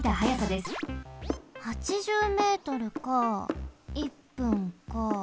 ８０ｍか１分か。